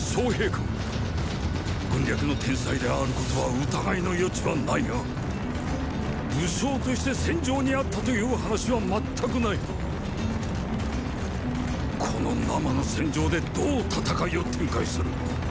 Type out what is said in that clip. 君軍略の天才であることは疑いの余地はないが武将として戦場にあったという話は全くないこの“生”の戦場でどう戦いを展開する。